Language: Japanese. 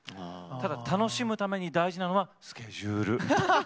ただ、楽しむために大事なのはスケジュール。